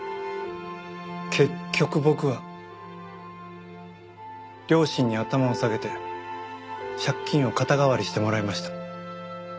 結局僕は両親に頭を下げて借金を肩代わりしてもらいました。